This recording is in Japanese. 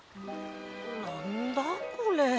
なんだこれ？